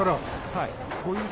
はい。